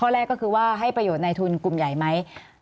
แล้วก็ลงที่เปลี่ยนไม่ได้